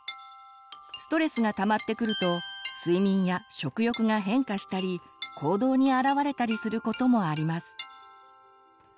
ストレスがたまってくると睡眠や食欲が変化したり行動にあらわれたりすることもあります。